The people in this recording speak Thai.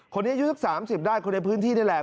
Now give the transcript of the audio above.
อายุสัก๓๐ได้คนในพื้นที่นี่แหละ